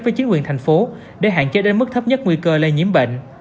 với chính quyền thành phố để hạn chế đến mức thấp nhất nguy cơ lây nhiễm bệnh